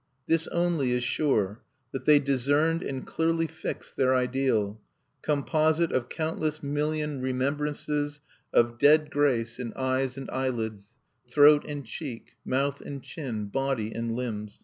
This only is sure, that they discerned and clearly fixed their ideal, composite of countless million remembrances of dead grace in eyes and eyelids, throat and cheek, mouth and chin, body and limbs.